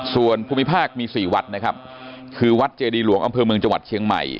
ส่วนภูมิภาคมี๔วัดนะครับคือวัดเจดีหลวงอำเภอเมืองจังหวัดเชียงใหม่